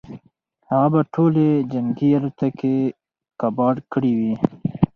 هغه به ټولې جنګي الوتکې کباړ کړې وي.